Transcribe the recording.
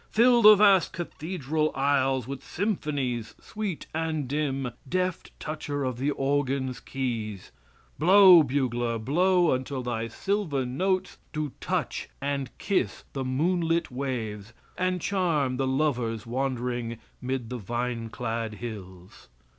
Fill the vast cathedral aisles with symphonies sweet and dim, deft toucher of the organ's keys; blow, bugler, blow until thy silver notes do touch and kiss the moonlit waves, and charm the lovers wandering 'mid the vine clad hills.